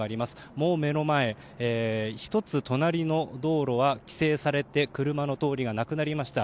もう目の前１つ隣の道路は規制されて車の通りがなくなりました。